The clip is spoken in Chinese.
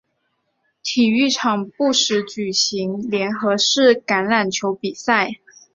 体育场不时举行联合式橄榄球比赛。